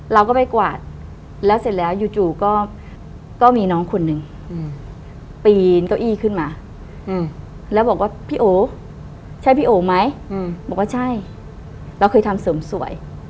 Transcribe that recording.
เราก็ไปกวาดแล้วเสร็จแล้วจู่ก็มีน้องคนหนึ่งปีนเก้าอี้ขึ้นมาแล้วบอกว่าพี่โอใช่พี่โอไหมบอกว่าใช่เราเคยทำเสริมสวย